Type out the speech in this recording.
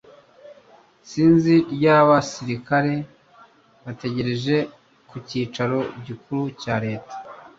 Isinzi ryabasirikare bategereje ku cyicaro gikuru cya Lee.